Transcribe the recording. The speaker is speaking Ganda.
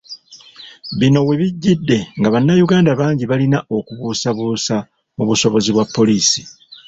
Bino we bijjidde nga bannayuganda bangi balina okubuusabuusa mu busobozi bwa poliisi.